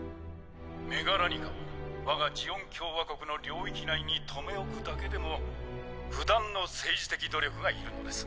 メガラニカを我がジオン共和国の領域内に留め置くだけでも不断の政治的努力がいるのです。